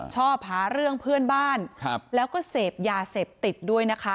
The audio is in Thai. ชอบหาเรื่องเพื่อนบ้านแล้วก็เสพยาเสพติดด้วยนะคะ